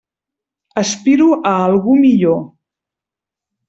Aspiro a algú millor.